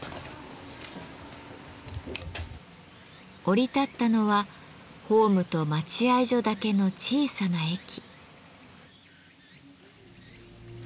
降り立ったのはホームと待ち合い所だけの小さな駅。